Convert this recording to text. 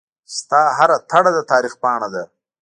ستا هره تړه دتاریخ پاڼه ده